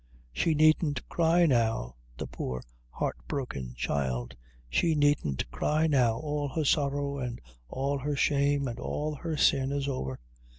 She needn't cry now, the poor heartbroken child; she needn't cry now; all her sorrow, and all her shame, and all her sin is over.